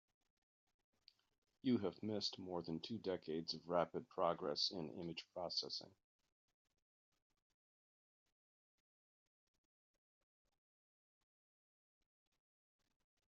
You have missed more than two decades of rapid progress in image processing.